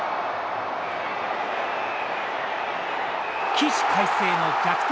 起死回生の逆転